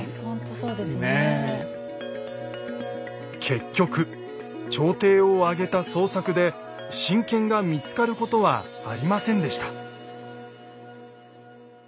結局朝廷を挙げた捜索で神剣が見つかることはありませんでした。